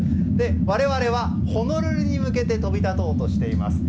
我々はホノルルに向けて飛び立とうとしています。